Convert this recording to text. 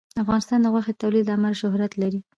افغانستان د غوښې د تولید له امله شهرت لري.